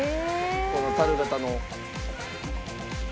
この樽型の。